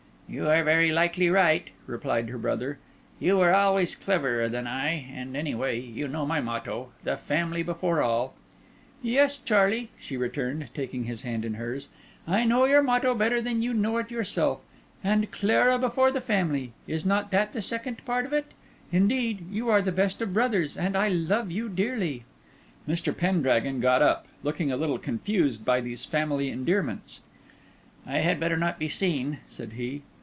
"You are very likely right," replied her brother; "you were always cleverer than I. And, anyway, you know my motto: The family before all." "Yes, Charlie," she returned, taking his hand in hers, "I know your motto better than you know it yourself. 'And Clara before the family!' Is not that the second part of it? Indeed, you are the best of brothers, and I love you dearly." Mr. Pendragon got up, looking a little confused by these family endearments. "I had better not be seen," said he.